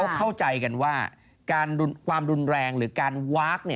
เข้าใจกันว่าความรุนแรงหรือการวาค